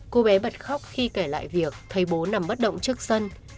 cô bé bật khóc khi kể lại việc thấy bố nằm bất động trước sân